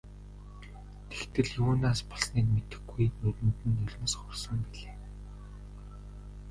Тэгтэл юунаас болсныг мэдэхгүй нүдэнд нь нулимс хурсан билээ.